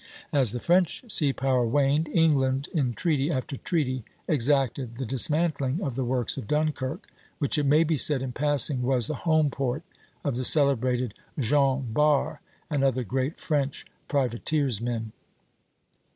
As the French sea power waned, England in treaty after treaty exacted the dismantling of the works of Dunkirk, which it may be said in passing was the home port of the celebrated Jean Bart and other great French privateersmen.